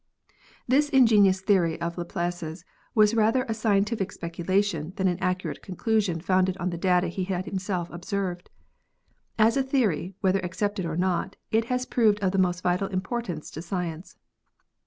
This in genious theory of Laplace's was rather a scientific specula tion than an accurate conclusion founded on data he had himself observed. As a theory, whether accepted or not, it has proved of the most vital importance to science.